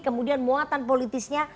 kemudian muatan politisnya